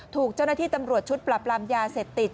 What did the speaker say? ถูกเจ้าหน้าที่ตำรวจชุดปรับรามยาเสพติด